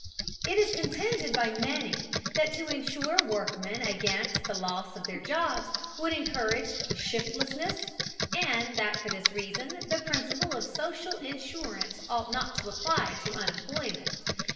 It is contended by many that to insure workmen against the loss of their jobs would encourage shiftlessness, and that for this reason the principle of social insurance ought not to apply to unemployment.